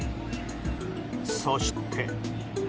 そして。